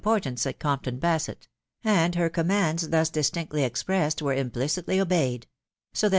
ortance at Compton Basett; and her commands, ^0/y? t|j,,lc^y expressed, were implicitly obeyed; so that ^e^.